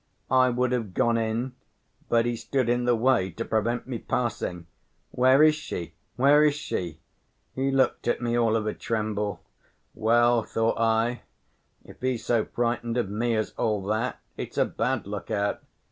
I would have gone in, but he stood in the way to prevent me passing. 'Where is she? Where is she?' He looked at me, all of a tremble. 'Well,' thought I, 'if he's so frightened of me as all that, it's a bad look out!